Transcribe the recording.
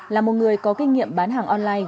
là một người có kinh nghiệm bán hàng online